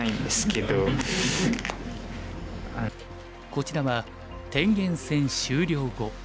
こちらは天元戦終了後。